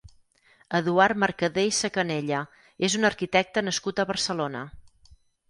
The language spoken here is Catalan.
Eduard Mercader i Sacanella és un arquitecte nascut a Barcelona.